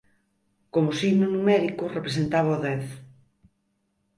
Como signo numérico representaba o dez.